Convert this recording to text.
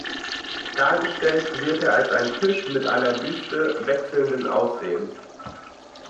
Dargestellt wird er als ein Tisch mit einer Büste wechselnden Aussehens.